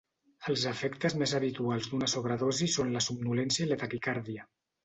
Els efectes més habituals d'una sobredosi són la somnolència i la taquicàrdia.